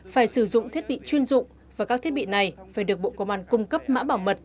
phải sử dụng thiết bị chuyên dụng và các thiết bị này phải được bộ công an cung cấp mã bảo mật